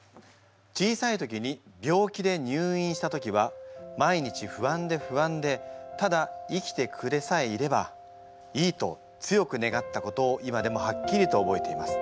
小さい時に病気で入院した時は毎日不安で不安でただ生きてくれさえいればいいと強く願ったことを今でもはっきりと覚えています」。